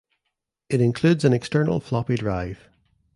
It includes an external floppy drive.